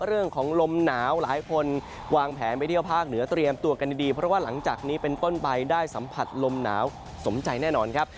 เรื่องของลมหนาวหลายคนวางแผนไปเที่ยวภาคเหนือเตรียมตัวกันดีเพราะว่าหลังจากนี้เป็นต้นไปได้สัมผัสลมหนาวสมใจแน่นอนครับ